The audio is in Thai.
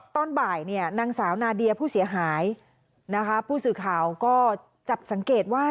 ตอนบ่ายเนี่ยนางสาวนาเดียผู้เสียหายนะคะผู้สื่อข่าวก็จับสังเกตว่า